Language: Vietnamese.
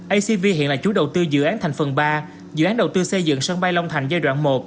acv hiện là chú đầu tư dự án thành phần ba dự án đầu tư xây dựng sân bay long thành giai đoạn một